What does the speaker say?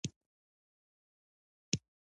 دغه پاچاهانو په ایران او افغانستان واکمني کوله.